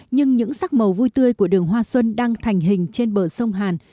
nhưng những sắc màu vui tươi của đường hoa xuân đang thành hình trên bờ sông hàn